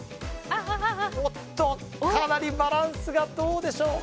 おっと、かなりバランスがどうでしょう。